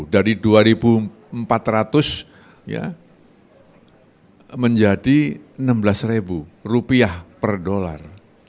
dari dua empat ratus menjadi enam belas rupiah per dolar